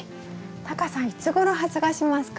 タカさんいつごろ発芽しますか？